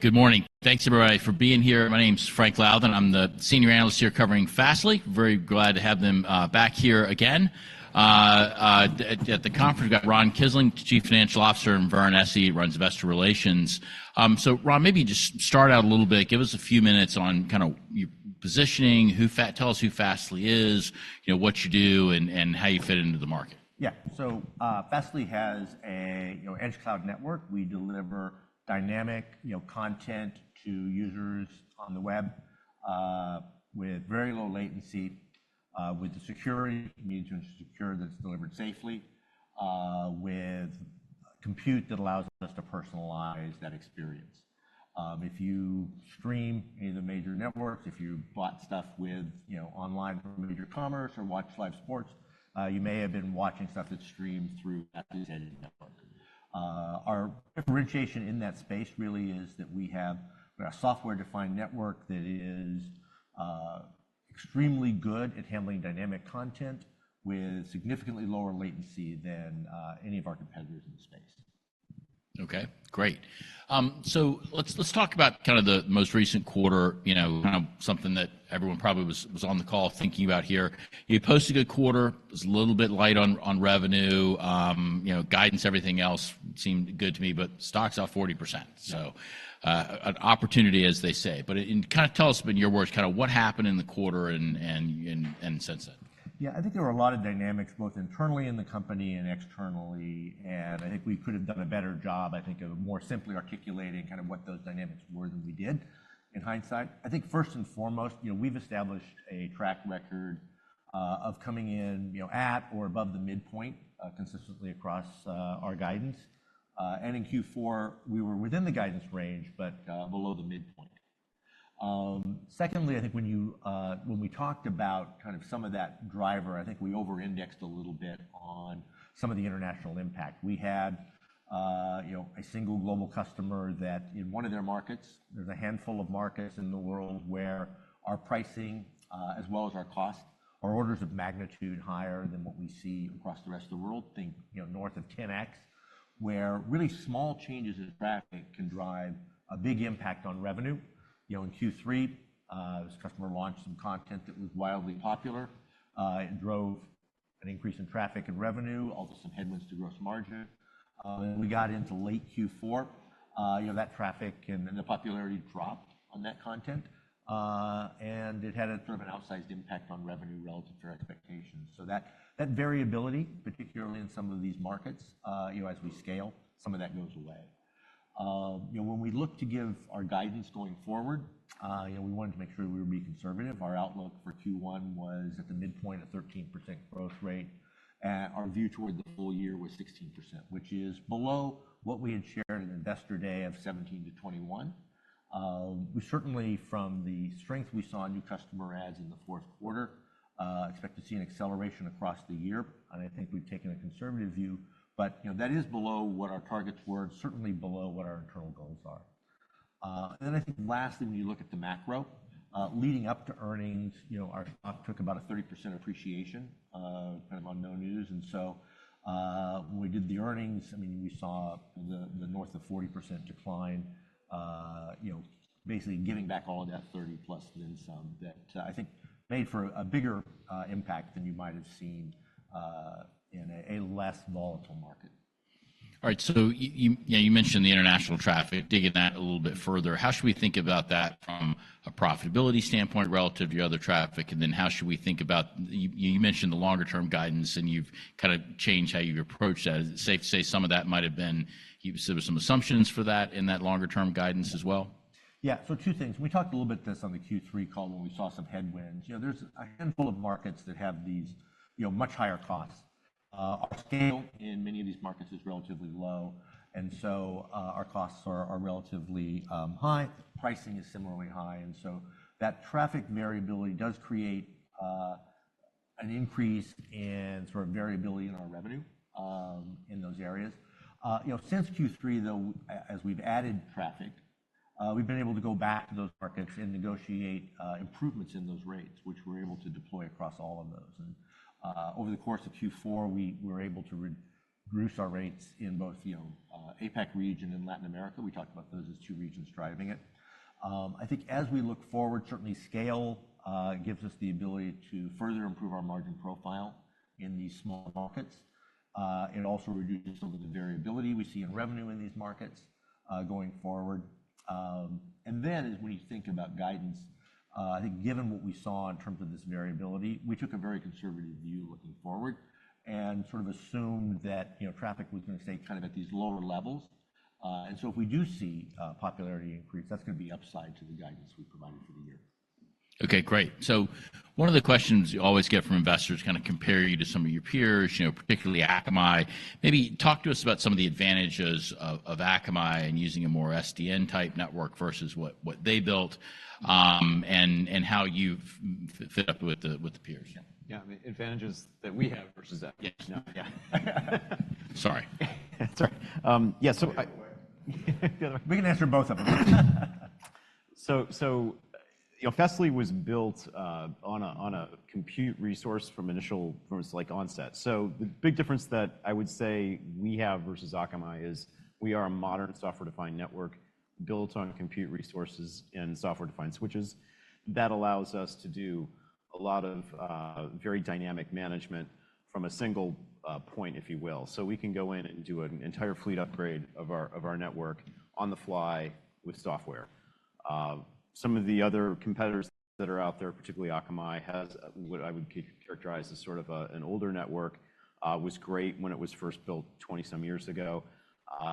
Good morning. Thanks, everybody, for being here. My name's Frank Louthan. I'm the senior analyst here covering Fastly. Very glad to have them back here again at the conference. We've got Ron Kisling, Chief Financial Officer, and Vernon Essi, who runs Investor Relations. Ron, maybe just start out a little bit. Give us a few minutes on kind of your positioning, tell us who Fastly is, you know, what you do, and how you fit into the market. Yeah. So, Fastly has a, you know, edge cloud network. We deliver dynamic, you know, content to users on the web, with very low latency, with the security means you ensure that it's delivered safely, with compute that allows us to personalize that experience. If you stream any of the major networks, if you bought stuff with, you know, online from e-commerce or watched live sports, you may have been watching stuff that streamed through Fastly's edge network. Our differentiation in that space really is that we have a software-defined network that is extremely good at handling dynamic content with significantly lower latency than any of our competitors in the space. Okay. Great. So let's talk about kind of the most recent quarter, you know, kind of something that everyone probably was on the call thinking about here. You posted a good quarter. It was a little bit light on revenue. You know, guidance, everything else seemed good to me, but stock's off 40%. So, an opportunity, as they say. But, kind of, tell us, in your words, kind of what happened in the quarter and since then. Yeah. I think there were a lot of dynamics both internally in the company and externally. I think we could have done a better job, I think, of more simply articulating kind of what those dynamics were than we did in hindsight. I think first and foremost, you know, we've established a track record of coming in, you know, at or above the midpoint consistently across our guidance. And in Q4 we were within the guidance range but below the midpoint. Secondly, I think when you, when we talked about kind of some of that driver, I think we over-indexed a little bit on some of the international impact. We had, you know, a single global customer that in one of their markets there's a handful of markets in the world where our pricing, as well as our cost, are orders of magnitude higher than what we see across the rest of the world, think, you know, north of 10x, where really small changes in traffic can drive a big impact on revenue. You know, in Q3, this customer launched some content that was wildly popular. It drove an increase in traffic and revenue, also some headwinds to gross margin. And we got into late Q4, you know, that traffic and the popularity dropped on that content. And it had a sort of an outsized impact on revenue relative to our expectations. So that, that variability, particularly in some of these markets, you know, as we scale, some of that goes away. You know, when we looked to give our guidance going forward, you know, we wanted to make sure we would be conservative. Our outlook for Q1 was at the midpoint of 13% growth rate. Our view toward the full year was 16%, which is below what we had shared in Investor Day of 2017 to 2021. We certainly, from the strength we saw in new customer adds in the fourth quarter, expect to see an acceleration across the year. I think we've taken a conservative view. You know, that is below what our targets were, certainly below what our internal goals are. Then I think lastly, when you look at the macro, leading up to earnings, you know, our stock took about a 30% appreciation, kind of on no news. When we did the earnings, I mean, we saw north of 40% decline, you know, basically giving back all of that 30+ then some that, I think, made for a bigger impact than you might have seen in a less volatile market. All right. So you mentioned the international traffic. Digging that a little bit further, how should we think about that from a profitability standpoint relative to your other traffic? And then how should we think about, you mentioned the longer-term guidance, and you've kind of changed how you've approached that. Is it safe to say some of that might have been you sort of some assumptions for that in that longer-term guidance as well? Yeah. So two things. We talked a little bit of this on the Q3 call when we saw some headwinds. You know, there's a handful of markets that have these, you know, much higher costs. Our scale in many of these markets is relatively low. And so, our costs are relatively high. Pricing is similarly high. And so that traffic variability does create an increase in sort of variability in our revenue in those areas. You know, since Q3, though, as we've added traffic, we've been able to go back to those markets and negotiate improvements in those rates, which we're able to deploy across all of those. And over the course of Q4, we were able to reduce our rates in both, you know, APAC region and Latin America. We talked about those as two regions driving it. I think as we look forward, certainly scale gives us the ability to further improve our margin profile in these small markets. It also reduces some of the variability we see in revenue in these markets, going forward. And then, when you think about guidance, I think given what we saw in terms of this variability, we took a very conservative view looking forward and sort of assumed that, you know, traffic was gonna stay kind of at these lower levels. And so if we do see popularity increase, that's gonna be upside to the guidance we provided for the year. Okay. Great. So one of the questions you always get from investors kind of compare you to some of your peers, you know, particularly Akamai. Maybe talk to us about some of the advantages of, of Akamai and using a more SDN-type network versus what, what they built, and, and how you've fit up with the with the peers. Yeah. Yeah. I mean, advantages that we have versus Akamai. No, yeah. Sorry. That's all right. Yeah, so I. The other way. The other way. We can answer both of them. So, you know, Fastly was built on a compute resource from its initial like onset. So the big difference that I would say we have versus Akamai is we are a modern software-defined network built on compute resources and software-defined switches. That allows us to do a lot of very dynamic management from a single point, if you will. So we can go in and do an entire fleet upgrade of our network on the fly with software. Some of the other competitors that are out there, particularly Akamai, has what I would characterize as sort of an older network, was great when it was first built 20-some years ago.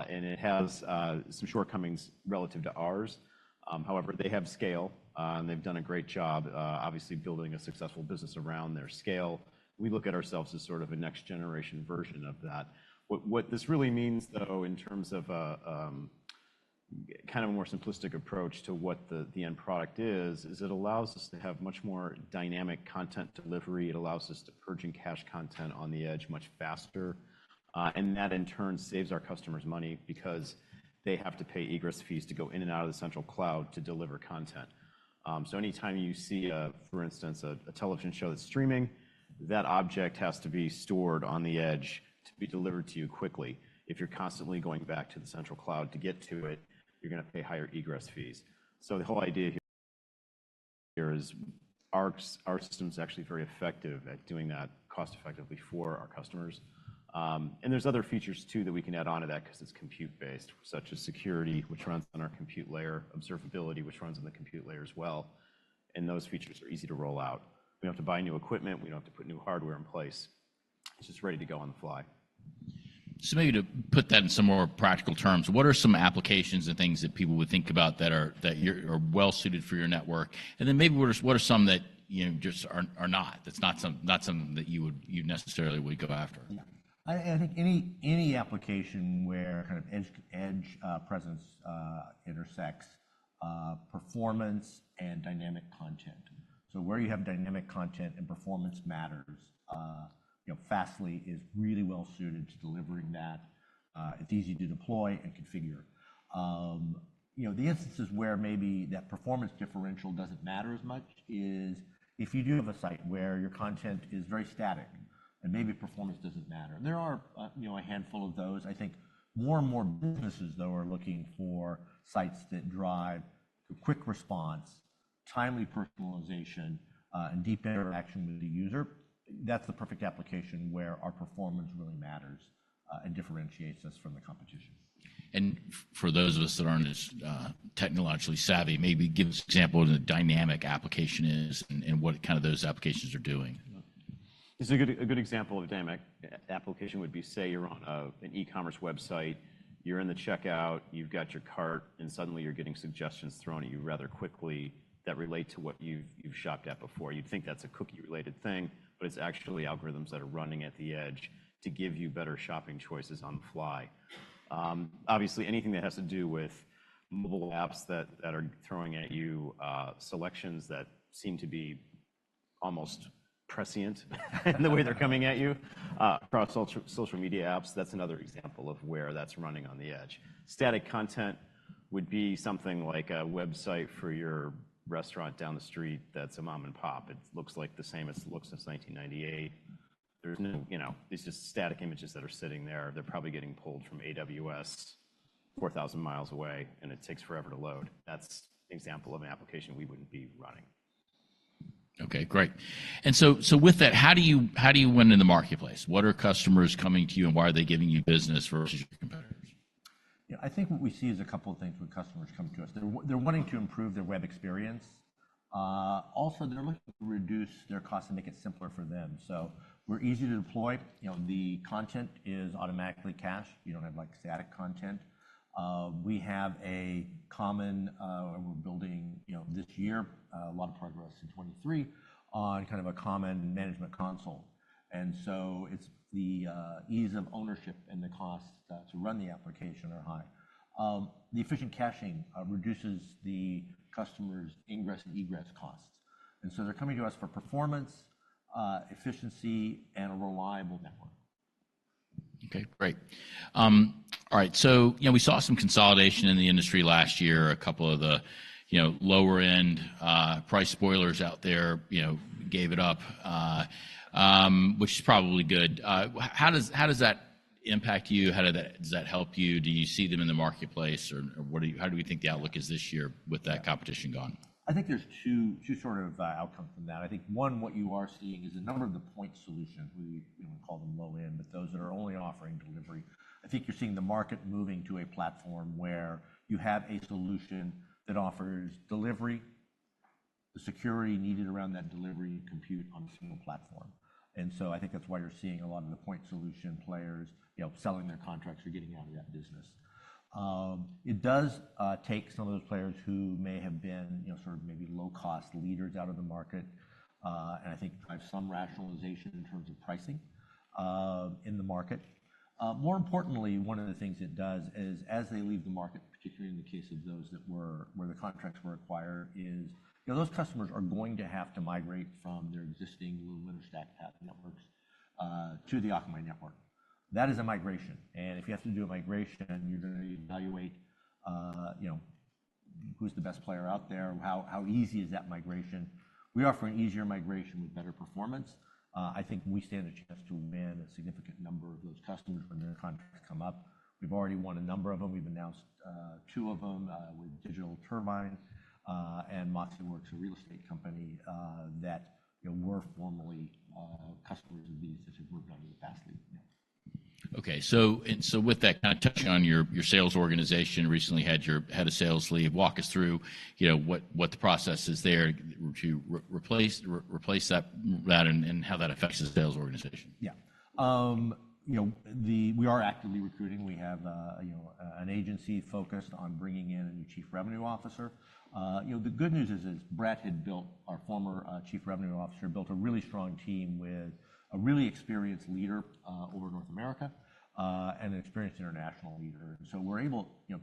And it has some shortcomings relative to ours. However, they have scale, and they've done a great job, obviously building a successful business around their scale. We look at ourselves as sort of a next-generation version of that. What, what this really means, though, in terms of a, kind of a more simplistic approach to what the end product is, is it allows us to have much more dynamic content delivery. It allows us to purge cached content on the edge much faster. And that in turn saves our customers money because they have to pay egress fees to go in and out of the central cloud to deliver content. So anytime you see, for instance, a television show that's streaming, that object has to be stored on the edge to be delivered to you quickly. If you're constantly going back to the central cloud to get to it, you're gonna pay higher egress fees. So the whole idea here is our system's actually very effective at doing that cost-effectively for our customers. And there's other features too that we can add on to that 'cause it's compute-based, such as security, which runs on our compute layer, observability, which runs on the compute layer as well. And those features are easy to roll out. We don't have to buy new equipment. We don't have to put new hardware in place. It's just ready to go on the fly. So maybe to put that in some more practical terms, what are some applications and things that people would think about that you're well-suited for your network? And then maybe what are some that, you know, just are not? That's not something that you would necessarily go after. Yeah. I think any application where kind of edge presence intersects performance and dynamic content. So where you have dynamic content and performance matters, you know, Fastly is really well-suited to delivering that. It's easy to deploy and configure. You know, the instances where maybe that performance differential doesn't matter as much is if you do have a site where your content is very static and maybe performance doesn't matter. There are, you know, a handful of those. I think more and more businesses, though, are looking for sites that drive quick response, timely personalization, and deep interaction with the user. That's the perfect application where our performance really matters, and differentiates us from the competition. For those of us that aren't as technologically savvy, maybe give us an example of what a dynamic application is and what kind of those applications are doing. Yeah. This is a good example of a dynamic application would be, say, you're on an e-commerce website. You're in the checkout. You've got your cart. And suddenly you're getting suggestions thrown at you rather quickly that relate to what you've shopped at before. You'd think that's a cookie-related thing, but it's actually algorithms that are running at the edge to give you better shopping choices on the fly. Obviously, anything that has to do with mobile apps that are throwing at you selections that seem to be almost prescient in the way they're coming at you, across social media apps, that's another example of where that's running on the edge. Static content would be something like a website for your restaurant down the street that's a mom-and-pop. It looks like the same. It looks since 1998. There's no, you know, these just static images that are sitting there. They're probably getting pulled from AWS 4,000 miles away, and it takes forever to load. That's an example of an application we wouldn't be running. Okay. Great. And so with that, how do you win in the marketplace? What are customers coming to you, and why are they giving you business versus your competitors? Yeah. I think what we see is a couple of things when customers come to us. They're, they're wanting to improve their web experience. Also they're looking to reduce their costs and make it simpler for them. So we're easy to deploy. You know, the content is automatically cached. You don't have, like, static content. We have a common we're building, you know, this year, a lot of progress in 2023 on kind of a common management console. And so it's the ease of ownership and the cost to run the application are high. The efficient caching reduces the customer's ingress and egress costs. And so they're coming to us for performance, efficiency, and a reliable network. Okay. Great. All right. So, you know, we saw some consolidation in the industry last year. A couple of the, you know, lower-end, price spoilers out there, you know, gave it up, which is probably good. How does how does that impact you? How does that does that help you? Do you see them in the marketplace, or, or what do you how do we think the outlook is this year with that competition gone? I think there's two sort of outcomes from that. I think one, what you are seeing is a number of the point solutions, whether you, you know, call them low-end but those that are only offering delivery. I think you're seeing the market moving to a platform where you have a solution that offers delivery, the security needed around that delivery and compute on a single platform. And so I think that's why you're seeing a lot of the point solution players, you know, selling their contracts or getting out of that business. It does take some of those players who may have been, you know, sort of maybe low-cost leaders out of the market, and I think drive some rationalization in terms of pricing in the market. More importantly, one of the things it does is as they leave the market, particularly in the case of those that were where the contracts were acquired, is, you know, those customers are going to have to migrate from their existing legacy StackPath networks to the Akamai network. That is a migration. And if you have to do a migration, you're gonna evaluate, you know, who's the best player out there, how, how easy is that migration. We offer an easier migration with better performance. I think we stand a chance to win a significant number of those customers when their contracts come up. We've already won a number of them. We've announced two of them, with Digital Turbine and MoxiWorks, a real estate company that, you know, were formerly customers of StackPath that worked under the Fastly, you know. Okay. So and so with that, kind of touching on your sales organization, recently had your head of sales leave. Walk us through, you know, what the process is there to replace that, and how that affects the sales organization. Yeah. You know, we are actively recruiting. We have, you know, an agency focused on bringing in a new Chief Revenue Officer. You know, the good news is Brett, our former Chief Revenue Officer, built a really strong team with a really experienced leader over North America, and an experienced international leader. And so we're able, you know,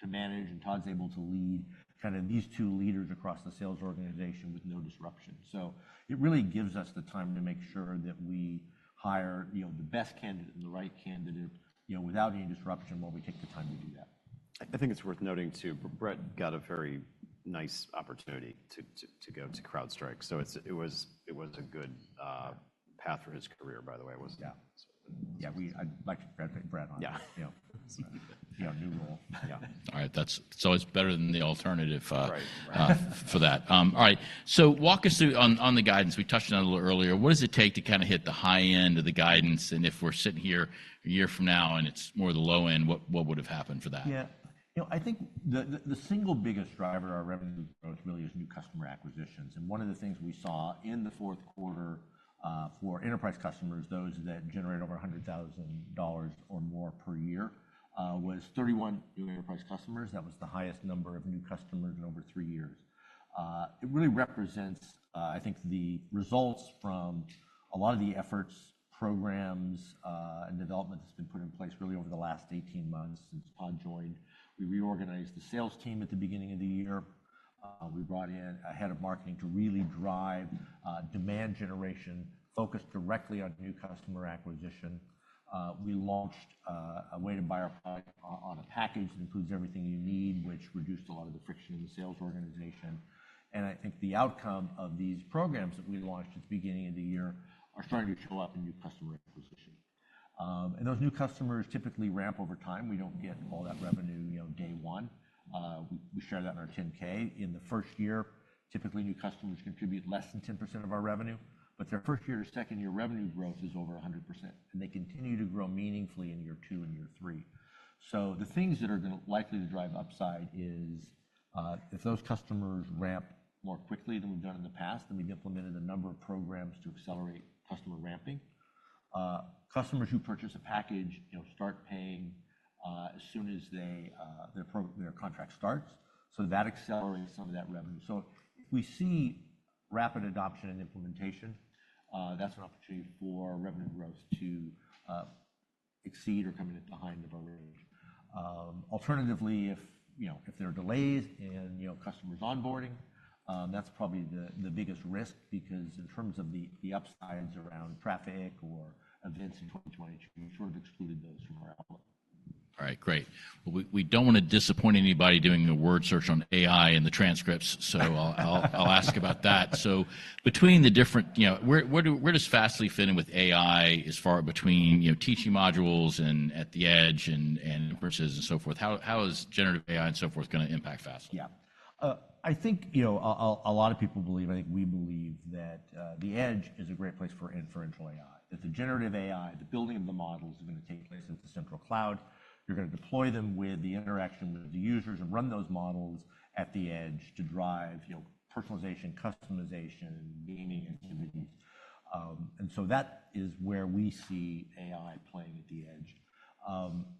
to manage and Todd's able to lead kind of these two leaders across the sales organization with no disruption. So it really gives us the time to make sure that we hire, you know, the best candidate and the right candidate, you know, without any disruption while we take the time to do that. I think it's worth noting too, Brett got a very nice opportunity to go to CrowdStrike. So it was a good path for his career, by the way. It wasn't. Yeah. Yeah. We'd like to credit Brett on that. Yeah. You know, so, you know, new role. Yeah. All right. That's always better than the alternative, for that. All right. So walk us through on the guidance. We touched on it a little earlier. What does it take to kind of hit the high end of the guidance? And if we're sitting here a year from now and it's more of the low end, what would have happened for that? Yeah. You know, I think the single biggest driver to our revenue growth really is new customer acquisitions. One of the things we saw in the fourth quarter, for enterprise customers, those that generate over $100,000 or more per year, was 31 new enterprise customers. That was the highest number of new customers in over three years. It really represents, I think, the results from a lot of the efforts, programs, and development that's been put in place really over the last 18 months since Todd joined. We reorganized the sales team at the beginning of the year. We brought in a head of marketing to really drive demand generation focused directly on new customer acquisition. We launched a way to buy our product on a package that includes everything you need, which reduced a lot of the friction in the sales organization. I think the outcome of these programs that we launched at the beginning of the year are starting to show up in new customer acquisition. Those new customers typically ramp over time. We don't get all that revenue, you know, day one. We share that in our 10-K. In the first year, typically new customers contribute less than 10% of our revenue. But their first year to second year revenue growth is over 100%. And they continue to grow meaningfully in year two and year three. The things that are gonna likely to drive upside is, if those customers ramp more quickly than we've done in the past, then we've implemented a number of programs to accelerate customer ramping. Customers who purchase a package, you know, start paying, as soon as they, their pro their contract starts. So that accelerates some of that revenue So if we see rapid adoption and implementation, that's an opportunity for revenue growth to exceed or come in at the height of our range. Alternatively, if, you know, if there are delays in, you know, customers onboarding, that's probably the biggest risk because in terms of the upsides around traffic or events in 2022, we've sort of excluded those from our outlook. All right. Great. Well, we don't wanna disappoint anybody doing a word search on AI in the transcripts, so I'll ask about that. So between the different, you know, where does Fastly fit in with AI as far between, you know, teaching modules and at the edge and inferences and so forth? How is generative AI and so forth gonna impact Fastly? Yeah. I think, you know, a lot of people believe I think we believe that, the edge is a great place for inferential AI, that the generative AI, the building of the models are gonna take place at the central cloud. You're gonna deploy them with the interaction with the users and run those models at the edge to drive, you know, personalization, customization, meaning activities. And so that is where we see AI playing at the edge.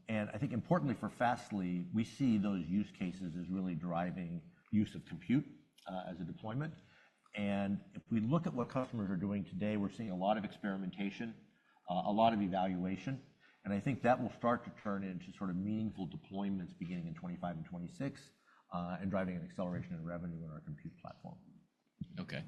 And I think importantly for Fastly, we see those use cases as really driving use of compute, as a deployment. And if we look at what customers are doing today, we're seeing a lot of experimentation, a lot of evaluation. And I think that will start to turn into sort of meaningful deployments beginning in 2025 and 2026, and driving an acceleration in revenue in our compute platform. Okay.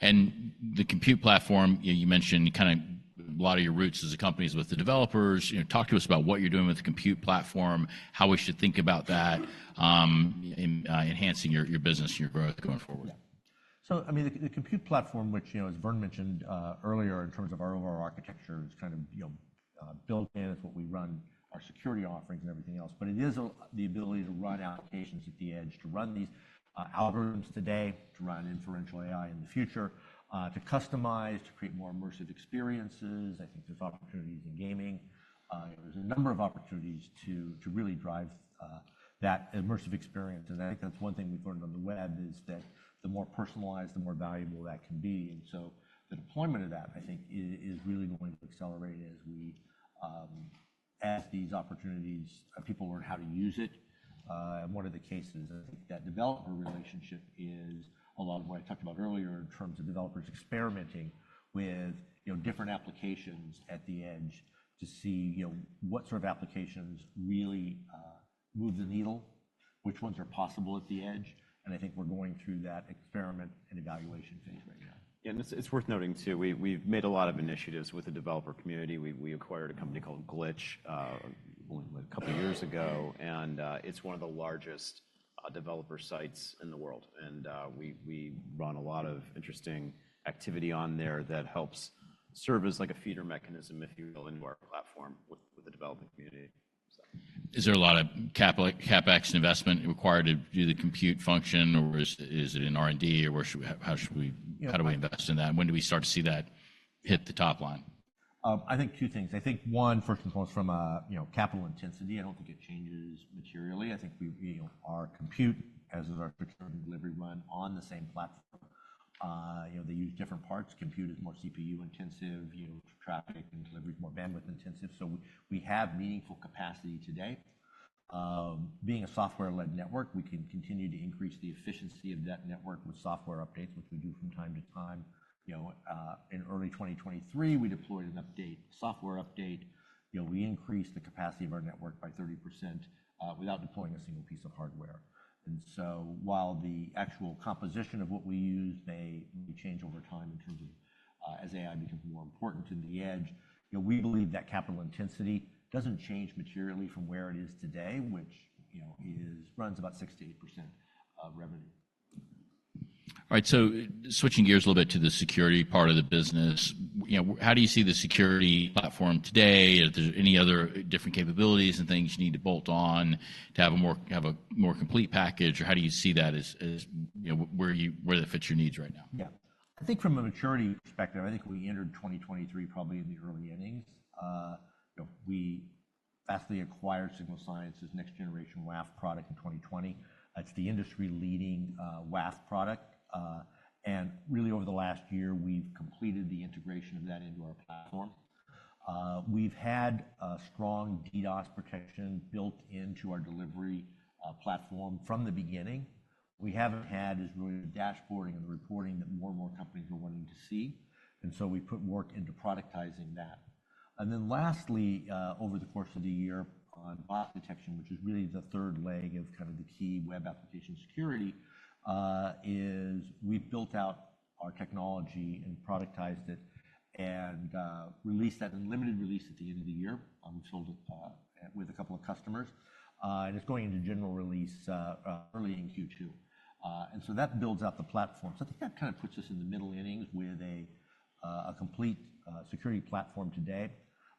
And the compute platform, you know, you mentioned kind of a lot of your roots as a company is with the developers. You know, talk to us about what you're doing with the compute platform, how we should think about that, enhancing your business and your growth going forward. Yeah. So, I mean, the compute platform, which, you know, as Vern mentioned, earlier in terms of our overall architecture, is kind of, you know, built in. It's what we run our security offerings and everything else. But it is the ability to run applications at the edge, to run these algorithms today, to run inferential AI in the future, to customize, to create more immersive experiences. I think there's opportunities in gaming. You know, there's a number of opportunities to really drive that immersive experience. And I think that's one thing we've learned on the web is that the more personalized, the more valuable that can be. And so the deployment of that, I think, is really going to accelerate as these opportunities people learn how to use it. One of the cases, I think, that developer relationship is a lot of what I talked about earlier in terms of developers experimenting with, you know, different applications at the edge to see, you know, what sort of applications really, move the needle, which ones are possible at the edge. And I think we're going through that experiment and evaluation phase right now. Yeah. It's worth noting too. We've made a lot of initiatives with the developer community. We acquired a company called Glitch a couple of years ago. It's one of the largest developer sites in the world. We run a lot of interesting activity on there that helps serve as like a feeder mechanism, if you will, into our platform with the development community, so. Is there a lot of CapEx investment required to do the compute function, or is it in R&D, or how should we invest in that? And when do we start to see that hit the top line? I think two things. I think one, first and foremost, from a, you know, capital intensity. I don't think it changes materially. I think we, you know, our compute, as is our security and delivery run on the same platform, you know, they use different parts. Compute is more CPU intensive, you know, traffic and delivery is more bandwidth intensive. So we, we have meaningful capacity today. Being a software-led network, we can continue to increase the efficiency of that network with software updates, which we do from time to time. You know, in early 2023, we deployed an update, a software update. You know, we increased the capacity of our network by 30%, without deploying a single piece of hardware. So while the actual composition of what we use may change over time in terms of, as AI becomes more important in the edge, you know, we believe that capital intensity doesn't change materially from where it is today, which, you know, it runs about 60%-80% of revenue. All right. So switching gears a little bit to the security part of the business, you know, how do you see the security platform today? Are there any other different capabilities and things you need to bolt on to have a more complete package? Or how do you see that as, as, you know, where that fits your needs right now? Yeah. I think from a maturity perspective, I think we entered 2023 probably in the early innings. You know, we, Fastly, acquired Signal Sciences' next-generation WAF product in 2020. It's the industry-leading WAF product. And really over the last year, we've completed the integration of that into our platform. We've had a strong DDoS protection built into our delivery platform from the beginning. We haven't had really the dashboarding and the reporting that more and more companies are wanting to see. And so we put work into productizing that. And then lastly, over the course of the year on bot detection, which is really the third leg of kind of the key web application security, we've built out our technology and productized it and released that in limited release at the end of the year with a couple of customers. It's going into general release, early in Q2. That builds out the platform. So I think that kind of puts us in the middle innings with a complete security platform today.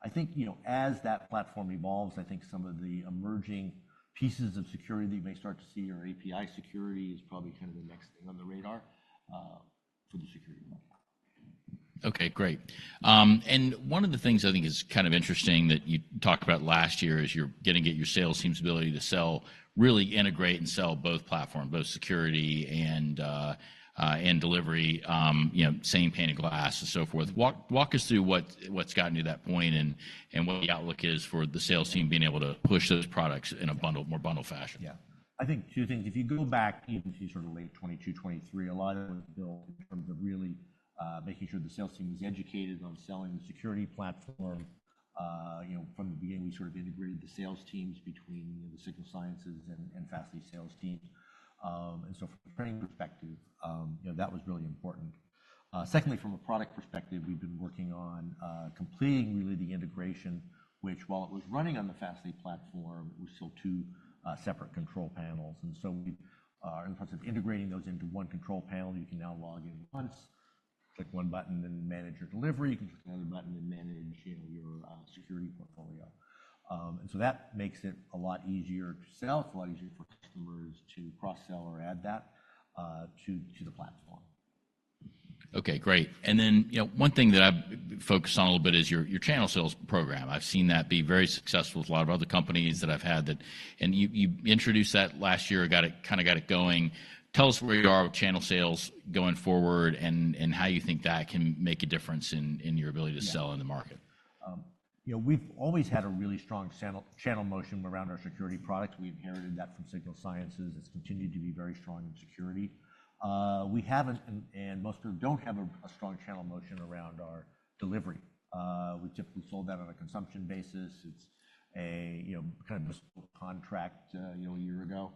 I think, you know, as that platform evolves, I think some of the emerging pieces of security that you may start to see or API security is probably kind of the next thing on the radar for the security market. Okay. Great. One of the things I think is kind of interesting that you talked about last year is you're getting at your sales team's ability to sell, really integrate and sell both platform, both security and delivery, you know, same pane of glass and so forth. Walk us through what has gotten you to that point and what the outlook is for the sales team being able to push those products in a more bundled fashion. Yeah. I think two things. If you go back even to sort of late 2022, 2023, a lot of it was built in terms of really making sure the sales team was educated on selling the security platform. You know, from the beginning, we sort of integrated the sales teams between, you know, the Signal Sciences and Fastly sales teams. And so from a training perspective, you know, that was really important. Secondly, from a product perspective, we've been working on completing really the integration, which while it was running on the Fastly platform, it was still two separate control panels. And so we've in the process of integrating those into one control panel. You can now log in once, click one button, then manage your delivery. You can click another button and manage, you know, your security portfolio. and so that makes it a lot easier to sell. It's a lot easier for customers to cross-sell or add that to the platform. Okay. Great. And then, you know, one thing that I've focused on a little bit is your channel sales program. I've seen that be very successful with a lot of other companies that I've had that and you introduced that last year or got it kind of going. Tell us where you are with channel sales going forward and how you think that can make a difference in your ability to sell in the market. Yeah. You know, we've always had a really strong channel motion around our security products. We've inherited that from Signal Sciences. It's continued to be very strong in security. We haven't, and most of them don't have a strong channel motion around our delivery. We typically sold that on a consumption basis. It's a, you know, kind of a contract, you know, a year ago.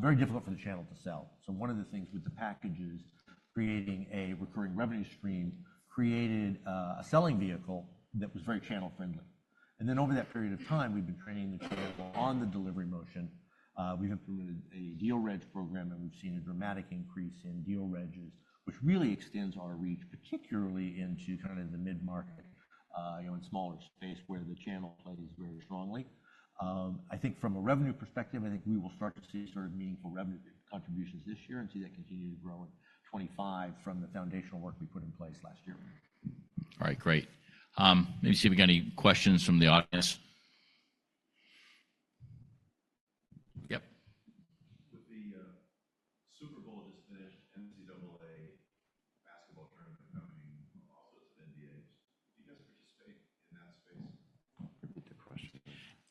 Very difficult for the channel to sell. So one of the things with the packages, creating a recurring revenue stream, created a selling vehicle that was very channel-friendly. And then over that period of time, we've been training the channel on the delivery motion. We've implemented a deal reg program, and we've seen a dramatic increase in deal regs, which really extends our reach, particularly into kind of the mid-market, you know, in smaller space where the channel plays very strongly. I think from a revenue perspective, I think we will start to see sort of meaningful revenue contributions this year and see that continue to grow in 2025 from the foundational work we put in place last year. All right. Great. Let me see if we got any questions from the audience.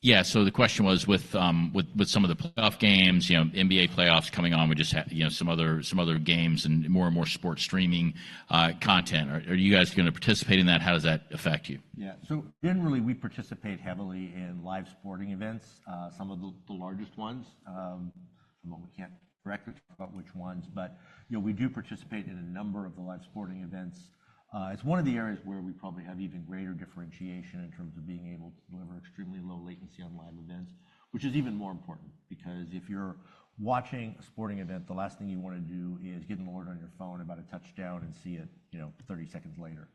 Yep. With the Super Bowl just finished, NCAA basketball tournament coming, also some NBAs, do you guys participate in that space? Repeat the question. Yeah. So the question was with some of the playoff games, you know, NBA playoffs coming on, we just had, you know, some other games and more and more sports streaming content. Are you guys gonna participate in that? How does that affect you? Yeah. So generally, we participate heavily in live sporting events, some of the largest ones. I'm, well, we can't directly talk about which ones. But, you know, we do participate in a number of the live sporting events. It's one of the areas where we probably have even greater differentiation in terms of being able to deliver extremely low latency on live events, which is even more important because if you're watching a sporting event, the last thing you wanna do is get an alert on your phone about a touchdown and see it, you know, 30 seconds later.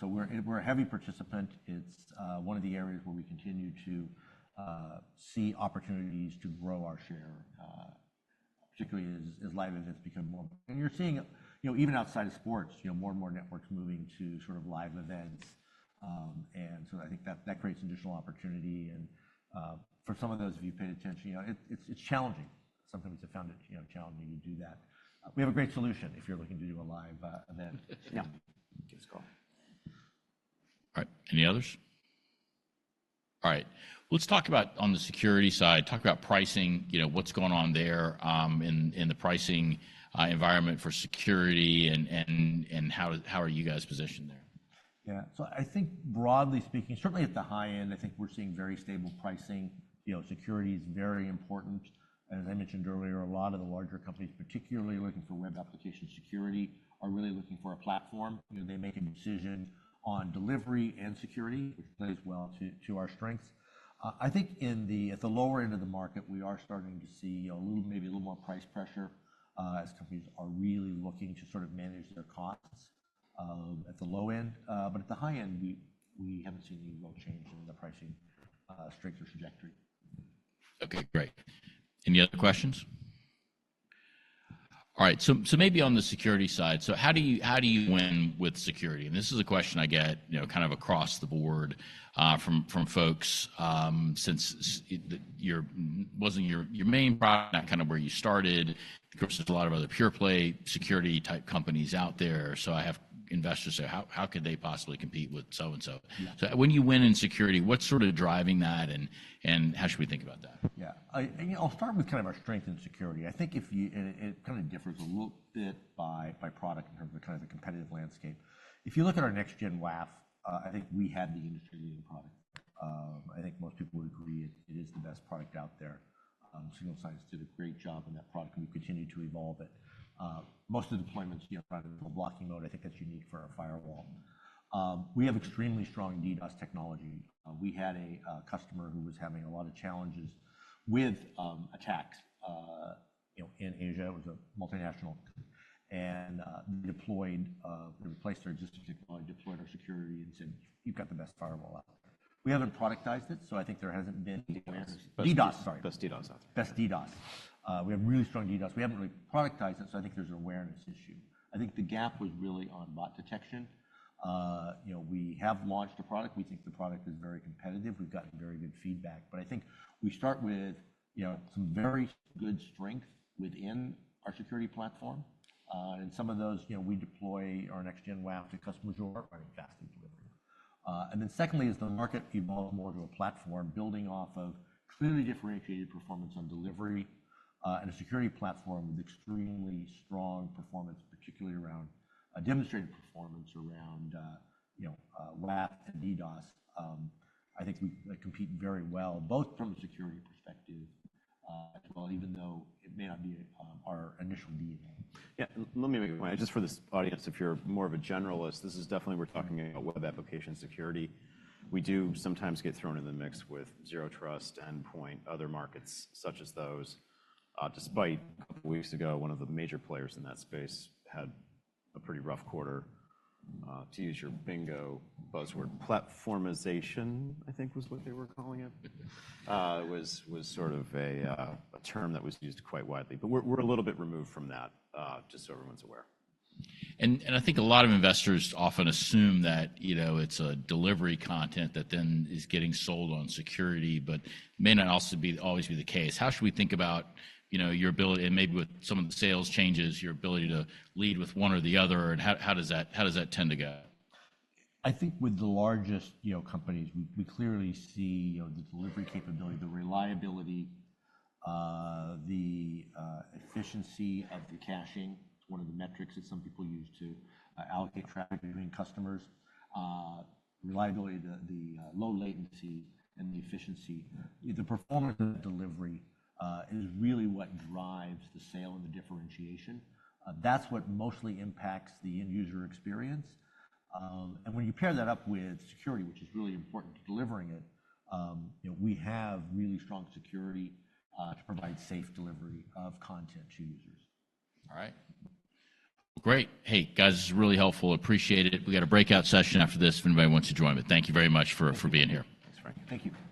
So we're a heavy participant. It's one of the areas where we continue to see opportunities to grow our share, particularly as live events become more, and you're seeing, you know, even outside of sports, you know, more and more networks moving to sort of live events. And so I think that creates additional opportunity. And for some of those of you who paid attention, you know, it's challenging. Sometimes I found it, you know, challenging to do that. We have a great solution if you're looking to do a live event. Yeah. Give us a call. All right. Any others? All right. Let's talk about on the security side, talk about pricing, you know, what's going on there, in the pricing environment for security and how are you guys positioned there? Yeah. So I think broadly speaking, certainly at the high end, I think we're seeing very stable pricing. You know, security is very important. And as I mentioned earlier, a lot of the larger companies, particularly looking for web application security, are really looking for a platform. You know, they make a decision on delivery and security, which plays well to, to our strengths. I think in the at the lower end of the market, we are starting to see, you know, a little maybe a little more price pressure, as companies are really looking to sort of manage their costs, at the low end. But at the high end, we, we haven't seen any real change in the pricing, strength or trajectory. Okay. Great. Any other questions? All right. So maybe on the security side, how do you win with security? And this is a question I get, you know, kind of across the board, from folks, since security wasn't your main product, not kind of where you started. Of course, there's a lot of other pure-play security-type companies out there. So I have investors say, "How could they possibly compete with so-and-so?" So when you win in security, what's sort of driving that, and how should we think about that? Yeah. I mean, I'll start with kind of our strength in security. I think if you and it, it kind of differs a little bit by product in terms of kind of the competitive landscape. If you look at our next-gen WAF, I think we had the industry-leading product. I think most people would agree it is the best product out there. Signal Sciences did a great job in that product, and we've continued to evolve it. Most of the deployments, you know, run in full blocking mode. I think that's unique for our firewall. We have extremely strong DDoS technology. We had a customer who was having a lot of challenges with attacks, you know, in Asia. It was a multinational. They deployed, they replaced our existing technology, deployed our security, and said, "You've got the best firewall out there." We haven't productized it, so I think there hasn't been awareness. DDoS, sorry. Best DDoS out there. Best DDoS. We have really strong DDoS. We haven't really productized it, so I think there's an awareness issue. I think the gap was really on bot detection. You know, we have launched a product. We think the product is very competitive. We've gotten very good feedback. But I think we start with, you know, some very good strength within our security platform. And some of those, you know, we deploy our next-gen WAF to customers who aren't running Fastly in delivery. And then secondly is the market evolves more to a platform building off of clearly differentiated performance on delivery, and a security platform with extremely strong performance, particularly around demonstrated performance around, you know, WAF and DDoS. I think we compete very well both from a security perspective, as well, even though it may not be our initial DNA. Yeah. Let me make a point. Just for this audience, if you're more of a generalist, this is definitely we're talking about web application security. We do sometimes get thrown in the mix with Zero Trust, Endpoint, other markets such as those. Despite a couple of weeks ago, one of the major players in that space had a pretty rough quarter. To use your bingo buzzword, platformization, I think was what they were calling it. It was sort of a term that was used quite widely. But we're a little bit removed from that, just so everyone's aware. And I think a lot of investors often assume that, you know, it's a delivery content that then is getting sold on security but may not also be always be the case. How should we think about, you know, your ability and maybe with some of the sales changes, your ability to lead with one or the other? And how does that tend to go? I think with the largest, you know, companies, we clearly see, you know, the delivery capability, the reliability, the efficiency of the caching. It's one of the metrics that some people use to allocate traffic between customers. Reliability, the low latency and the efficiency, the performance of delivery, is really what drives the sale and the differentiation. That's what mostly impacts the end-user experience. And when you pair that up with security, which is really important to delivering it, you know, we have really strong security to provide safe delivery of content to users. All right. Well, great. Hey, guys, this is really helpful. Appreciate it. We got a breakout session after this if anybody wants to join but thank you very much for being here. Thanks, Frank. Thank you.